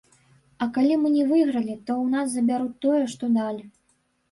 А калі мы не выйгралі, то ў нас забяруць тое, што далі.